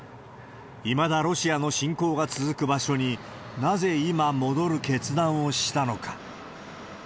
いまだロシアの侵攻が続く場所に、なぜ今戻る決断をしたのか。